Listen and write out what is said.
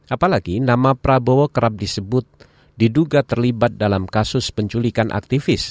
apalagi nama prabowo kerap disebut diduga terlibat dalam kasus penculikan aktivis